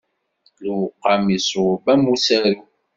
Lewqam iṣweb am usaru.